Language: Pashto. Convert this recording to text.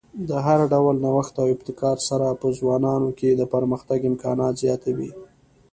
د هر ډول نوښت او ابتکار سره په ځوانانو کې د پرمختګ امکانات زیاتوي.